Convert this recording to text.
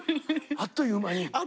あっという間に。